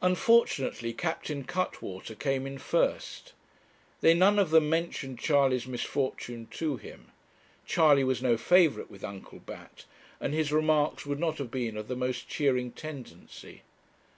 Unfortunately Captain Cuttwater came in first. They none of them mentioned Charley's misfortune to him. Charley was no favourite with Uncle Bat, and his remarks would not have been of the most cheering tendency.